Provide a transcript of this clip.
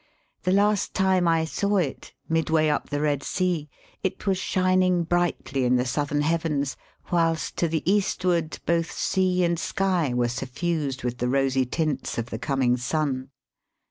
The last time I saw it, midway up the Eed Sea, it was shining brightly in the southern heavens, whilst to the eastward both sea and sky were suffused with the rosy tint& of the coming sun.